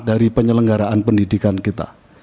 dari penyelenggaraan pendidikan kita